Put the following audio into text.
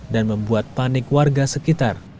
dan membuat panik warga sekitar